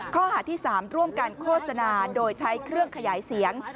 ข้อหาที่๓ร่วมกันโฆษณาโดยใช้เครื่องขยายเสียง